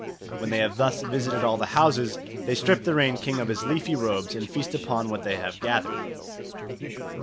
When they have thus visited all the houses, they strip the Rain King of his leafy robes and feast upon what they have gathered.